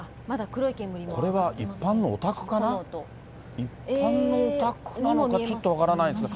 これは一般のお宅かな、一般のお宅なのかちょっと分からないんですが。